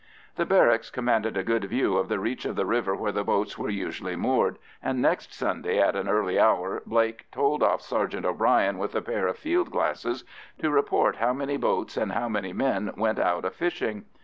The barracks commanded a good view of the reach of the river where the boats were usually moored, and next Sunday at an early hour Blake told off Sergeant O'Bryan with a pair of field glasses to report how many boats and how many men went out a fishing.